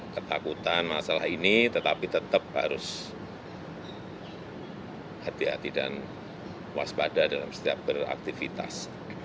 ketakutan masalah ini tetapi tetap harus hati hati dan waspada dalam setiap beraktivitas